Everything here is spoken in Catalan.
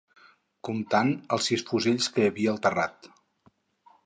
Comptant els sis fusells que hi havia al terrat...